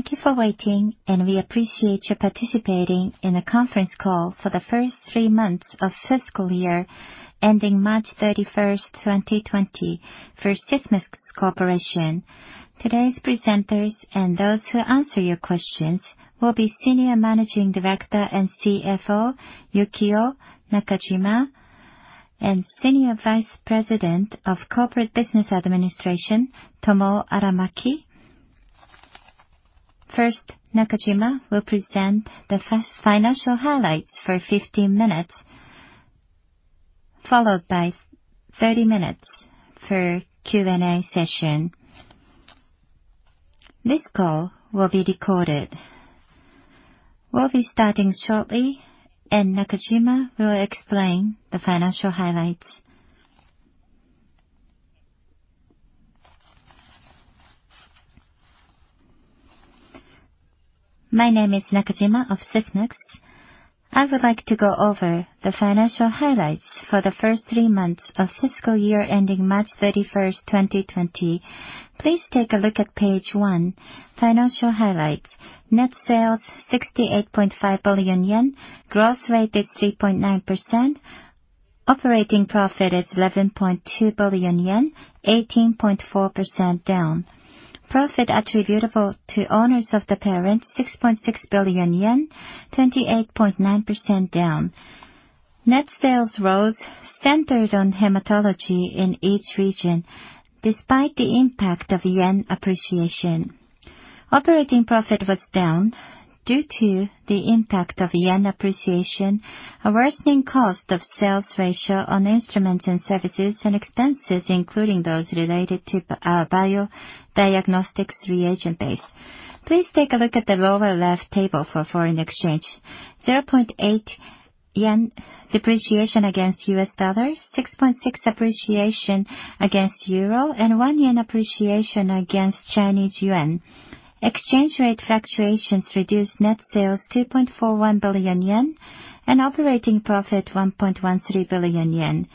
Thank you for waiting. We appreciate you participating in the conference call for the first three months of fiscal year ending March 31st, 2020, for Sysmex Corporation. Today's presenters and those who answer your questions will be Senior Managing Director and CFO, Yukio Nakajima, and Senior Vice President of Corporate Business Administration, Tomoo Aramaki. First, Nakajima will present the financial highlights for 15 minutes, followed by 30 minutes for Q&A session. This call will be recorded. We'll be starting shortly. Nakajima will explain the financial highlights. My name is Nakajima of Sysmex. I would like to go over the financial highlights for the first three months of fiscal year ending March 31st, 2020. Please take a look at page one, financial highlights. Net sales, 68.5 billion yen. Growth rate is 3.9%. Operating profit is 11.2 billion yen, 18.4% down. Profit attributable to owners of the parent, 6.6 billion yen, 28.9% down. Net sales growth centered on hematology in each region, despite the impact of yen appreciation. Operating profit was down due to the impact of yen appreciation, a worsening cost of sales ratio on instruments and services, and expenses, including those related to our bio-diagnostics reagent base. Please take a look at the lower left table for foreign exchange. 0.8 yen depreciation against US dollars, 6.6 appreciation against euro, and 1 yen appreciation against Chinese yuan. Exchange rate fluctuations reduced net sales 2.41 billion yen and operating profit 1.13 billion yen.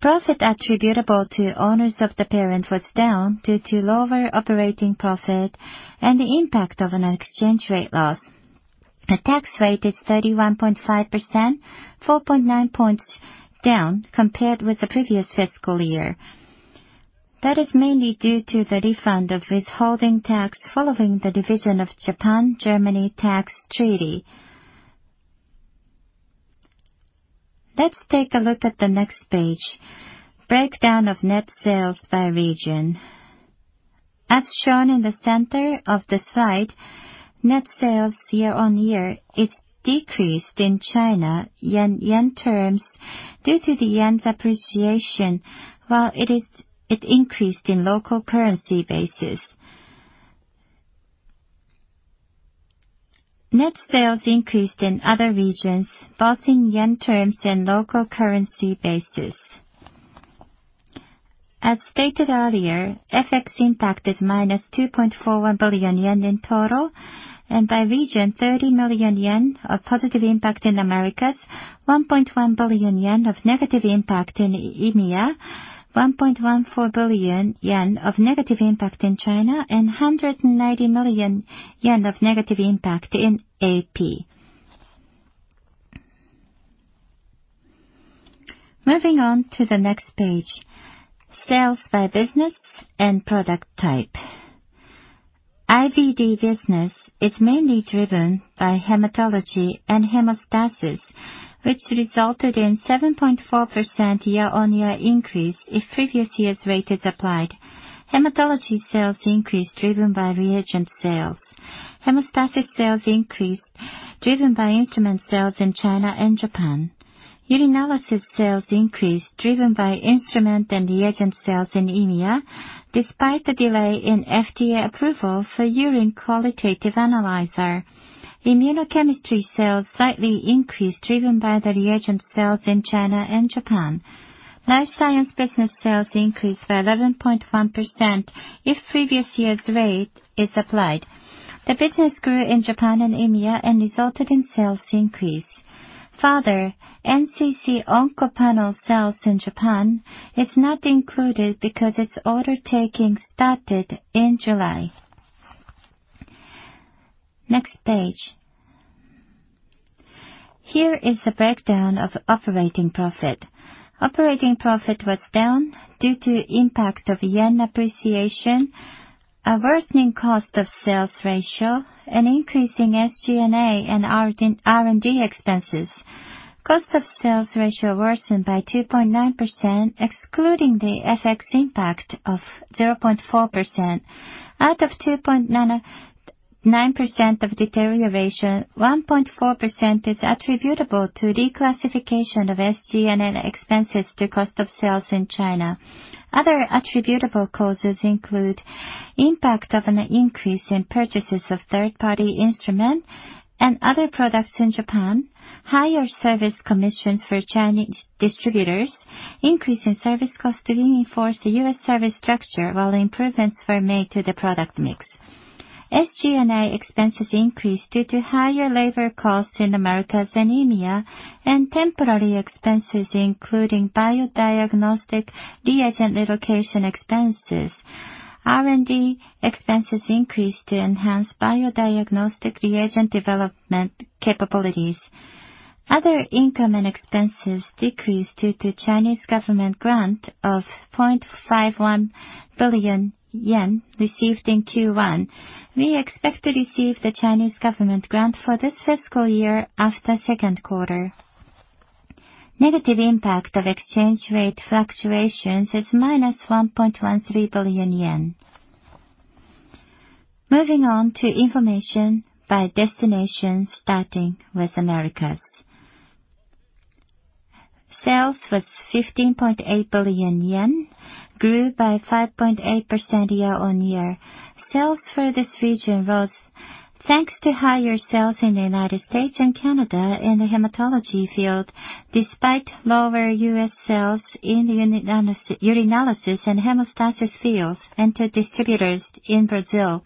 Profit attributable to owners of the parent was down due to lower operating profit and the impact of an exchange rate loss. The tax rate is 31.5%, 4.9 points down compared with the previous fiscal year. That is mainly due to the refund of withholding tax following the division of Japan-Germany tax treaty. Let's take a look at the next page, breakdown of net sales by region. As shown in the center of the site, net sales year-on-year is decreased in China, JPY terms, due to the JPY's appreciation, while it increased in local currency bases. Net sales increased in other regions, both in JPY terms and local currency bases. As stated earlier, FX impact is minus 2.41 billion yen in total, and by region, 30 million yen of positive impact in Americas, 1.1 billion yen of negative impact in EMEA, 1.14 billion yen of negative impact in China, and 190 million yen of negative impact in AP. Moving on to the next page, sales by business and product type. IVD business is mainly driven by hematology and hemostasis, which resulted in 7.4% year-on-year increase if previous year's rate is applied. Hematology sales increased driven by reagent sales. Hemostasis sales increased driven by instrument sales in China and Japan. Urinalysis sales increased driven by instrument and reagent sales in EMEA, despite the delay in FDA approval for urine qualitative analyzer. Immunochemistry sales slightly increased driven by the reagent sales in China and Japan. Life science business sales increased by 11.1% if previous year's rate is applied. The business grew in Japan and EMEA and resulted in sales increase. Further, NCC OncoPanel sales in Japan is not included because its order taking started in July. Next page. Here is a breakdown of operating profit. Operating profit was down due to impact of yen appreciation, a worsening cost of sales ratio, an increase in SG&A and R&D expenses. Cost of sales ratio worsened by 2.9%, excluding the FX impact of 0.4%. Out of 2.9% of deterioration, 1.4% is attributable to declassification of SG&A expenses to cost of sales in China. Other attributable causes include impact of an increase in purchases of third-party instrument and other products in Japan, higher service commissions for Chinese distributors, increase in service cost to reinforce the U.S. service structure while improvements were made to the product mix. SG&A expenses increased due to higher labor costs in Americas and EMEA, and temporary expenses including biodiagnostic reagent relocation expenses. R&D expenses increased to enhance biodiagnostic reagent development capabilities. Other income and expenses decreased due to Chinese government grant of 0.51 billion yen received in Q1. We expect to receive the Chinese government grant for this fiscal year after second quarter. Negative impact of exchange rate fluctuations is minus 1.13 billion yen. Moving on to information by destination starting with Americas. Sales was 15.8 billion yen, grew by 5.8% year-on-year. Sales for this region rose thanks to higher sales in the United States and Canada in the hematology field, despite lower U.S. sales in urinalysis and hemostasis fields and to distributors in Brazil.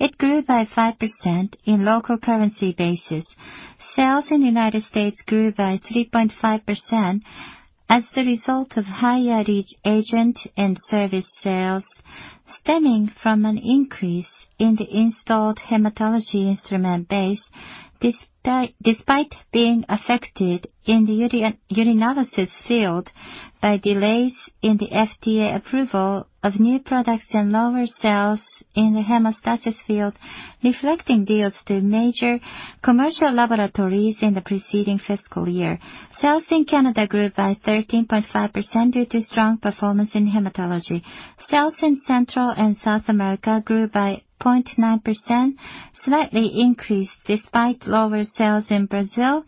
It grew by 5% in local currency basis. Sales in United States grew by 3.5% as the result of higher reagent and service sales, stemming from an increase in the installed hematology instrument base, despite being affected in the urinalysis field by delays in the FDA approval of new products and lower sales in the hemostasis field, reflecting deals to major commercial laboratories in the preceding fiscal year. Sales in Canada grew by 13.5% due to strong performance in hematology. Sales in Central and South America grew by 0.9%, slightly increased despite lower sales in Brazil.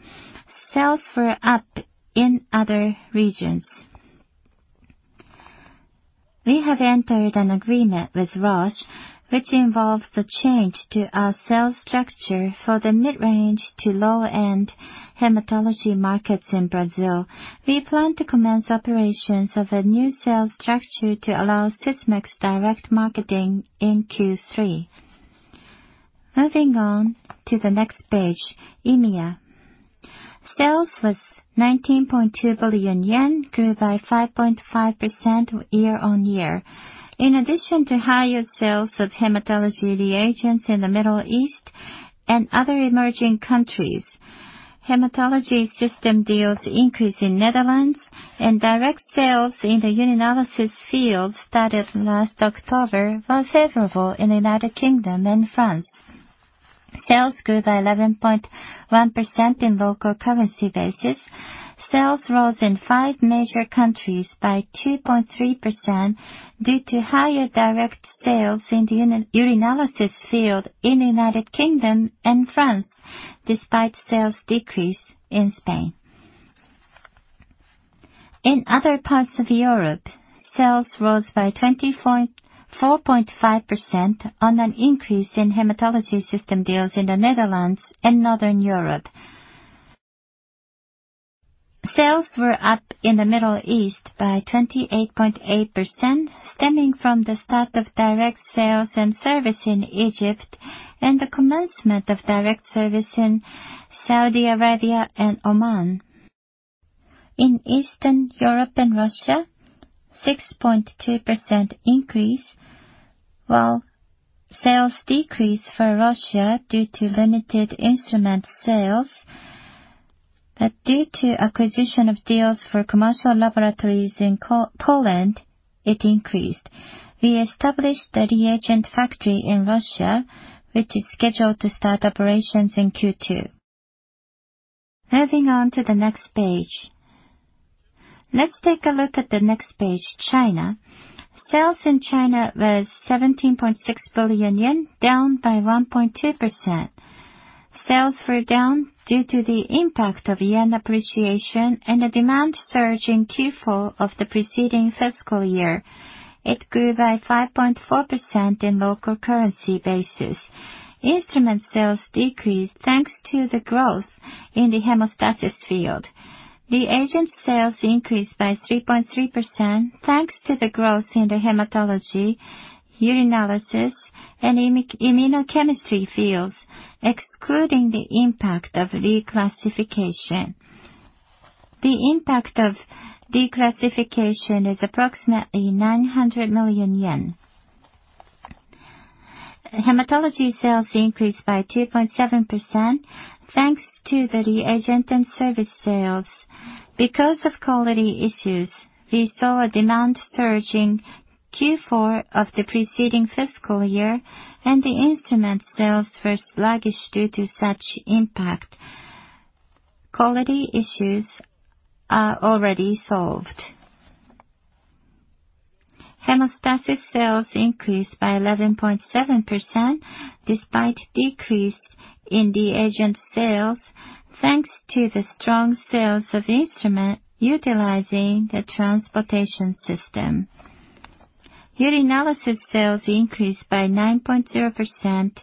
Sales were up in other regions. We have entered an agreement with Roche, which involves the change to our sales structure for the mid-range to low-end hematology markets in Brazil. We plan to commence operations of a new sales structure to allow Sysmex direct marketing in Q3. Moving on to the next page, EMEA. Sales was 19.2 billion yen, grew by 5.5% year-on-year. In addition to higher sales of hematology reagents in the Middle East and other emerging countries, hematology system deals increased in Netherlands and direct sales in the urinalysis field started last October, were favorable in the United Kingdom and France. Sales grew by 11.1% in local currency basis. Sales rose in five major countries by 2.3% due to higher direct sales in the urinalysis field in the United Kingdom and France, despite sales decrease in Spain. In other parts of Europe, sales rose by 24.5% on an increase in hematology system deals in the Netherlands and Northern Europe. Sales were up in the Middle East by 28.8%, stemming from the start of direct sales and service in Egypt and the commencement of direct service in Saudi Arabia and Oman. In Eastern Europe and Russia, 6.2% increase, while sales decreased for Russia due to limited instrument sales. Due to acquisition of deals for commercial laboratories in Poland, it increased. We established a reagent factory in Russia, which is scheduled to start operations in Q2. Moving on to the next page. Let's take a look at the next page, China. Sales in China was 17.6 billion yen, down by 1.2%. Sales were down due to the impact of yen appreciation and a demand surge in Q4 of the preceding fiscal year. It grew by 5.4% in local currency basis. Instrument sales decreased thanks to the growth in the hemostasis field. Reagent sales increased by 3.3% thanks to the growth in the hematology, urinalysis, and immunochemistry fields, excluding the impact of reclassification. The impact of reclassification is approximately JPY 900 million. Hematology sales increased by 2.7% thanks to the reagent and service sales. Because of quality issues, we saw a demand surge in Q4 of the preceding fiscal year, and the instrument sales were sluggish due to such impact. Quality issues are already solved. Hemostasis sales increased by 11.7% despite decrease in reagent sales, thanks to the strong sales of instrument utilizing the transportation system. Urinalysis sales increased by 9.0%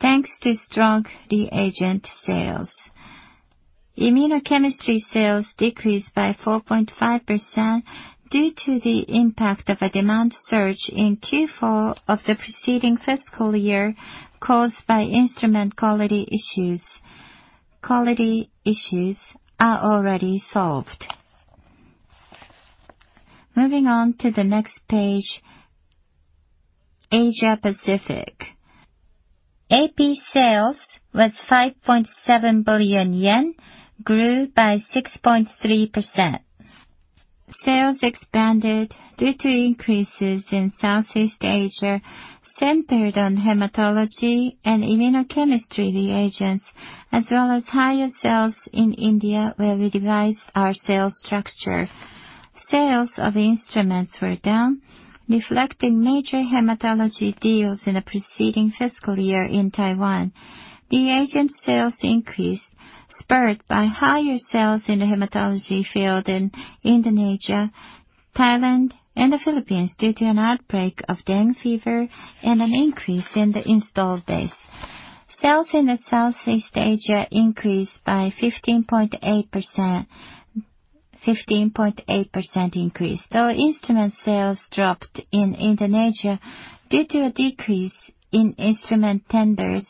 thanks to strong reagent sales. Immunochemistry sales decreased by 4.5% due to the impact of a demand surge in Q4 of the preceding fiscal year caused by instrument quality issues. Quality issues are already solved. Moving on to the next page, Asia Pacific. AP sales was 5.7 billion yen, grew by 6.3%. Sales expanded due to increases in Southeast Asia, centered on hematology and immunochemistry reagents, as well as higher sales in India, where we revised our sales structure. Sales of instruments were down, reflecting major hematology deals in the preceding fiscal year in Taiwan. Reagent sales increased, spurred by higher sales in the hematology field in Indonesia, Thailand, and the Philippines due to an outbreak of dengue fever and an increase in the installed base. Sales in the Southeast Asia increased by 15.8%. 15.8% increase. Though instrument sales dropped in Indonesia due to a decrease in instrument tenders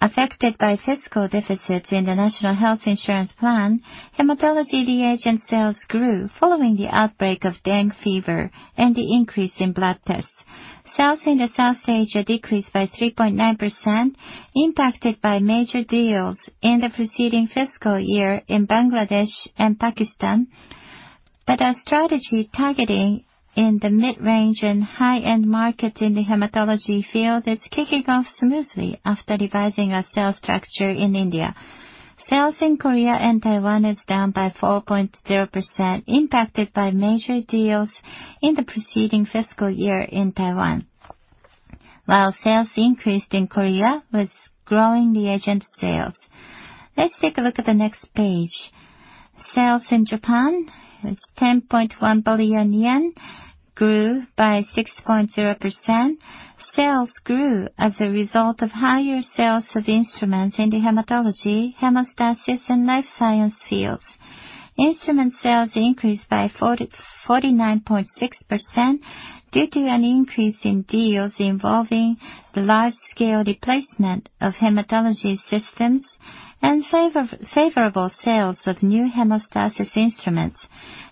affected by fiscal deficits in the National Health Insurance Program, hematology reagent sales grew following the outbreak of dengue fever and an increase in blood tests. Sales in South Asia decreased by 3.9%, impacted by major deals in the preceding fiscal year in Bangladesh and Pakistan. Our strategy targeting in the mid-range and high-end markets in the hematology field is kicking off smoothly after revising our sales structure in India. Sales in Korea and Taiwan is down by 4.0%, impacted by major deals in the preceding fiscal year in Taiwan. While sales increased in Korea, with growing reagent sales. Let's take a look at the next page. Sales in Japan is 10.1 billion yen, grew by 6.0%. Sales grew as a result of higher sales of instruments in the hematology, hemostasis, and life science fields. Instrument sales increased by 49.6% due to an increase in deals involving the large-scale replacement of hematology systems and favorable sales of new hemostasis instruments.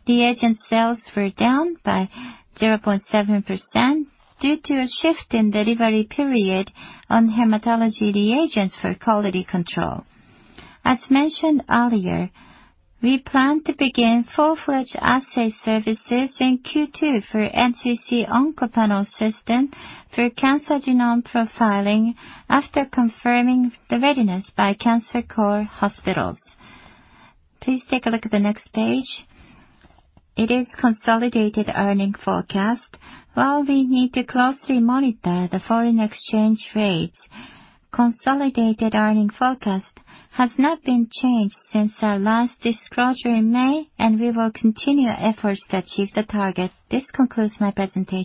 Reagent sales were down by 0.7% due to a shift in delivery period on hematology reagents for quality control. As mentioned earlier, we plan to begin full-fledged assay services in Q2 for NCC Oncopanel system for cancer genome profiling after confirming the readiness by Cancer Core hospitals. Please take a look at the next page. It is consolidated earnings forecast. While we need to closely monitor the foreign exchange rates, consolidated earnings forecast has not been changed since our last disclosure in May, and we will continue efforts to achieve the target. This concludes my presentation.